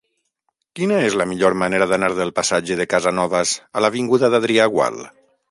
Quina és la millor manera d'anar del passatge de Casanovas a l'avinguda d'Adrià Gual?